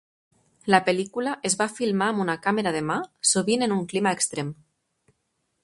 La pel·lícula es va filmar amb una càmera de ma, sovint en un clima extrem.